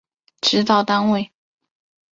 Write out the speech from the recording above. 指导单位